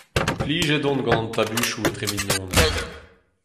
Plijet on gant an tabutoù etre mignoned.